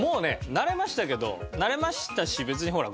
慣れましたけど慣れましたし別にほら